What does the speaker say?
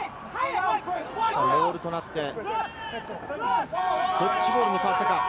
モールとなって、どっちのボールになったか？